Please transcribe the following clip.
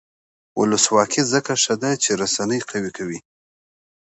ولسواکي ځکه ښه ده چې رسنۍ قوي کوي.